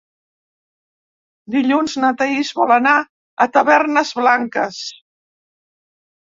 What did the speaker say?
Dilluns na Thaís vol anar a Tavernes Blanques.